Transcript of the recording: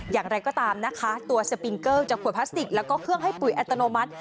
อย่างไรก็ตามนะคะตัวสปิงเกิลจากขวดพลาสติกแล้วก็เครื่องให้ปุ๋ยอัตโนมัติ